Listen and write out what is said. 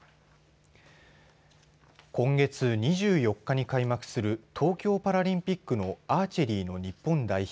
今月２４日に開幕する東京パラリンピックのアーチェリーの日本代表